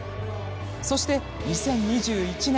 そして、２０２１年。